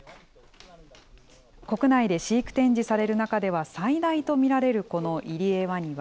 国内で飼育展示される中では最大と見られるこのイリエワニは、